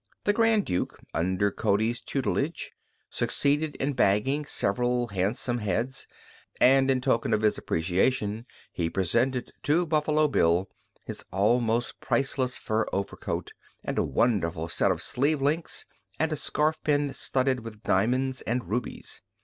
The Grand Duke, under Cody's tutelage, succeeded in bagging several handsome heads, and, in token of his appreciation, he presented to Buffalo Bill his almost priceless fur overcoat and a wonderful set of sleeve links and scarfpin studded with diamonds and rubies.